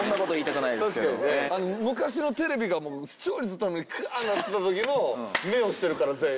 昔のテレビが視聴率のためにがなってたときの目をしてるから全員。